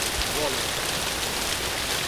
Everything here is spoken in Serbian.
Volim te!